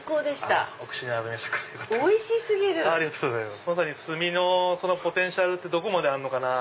まさに炭のポテンシャルってどこまであるのかな？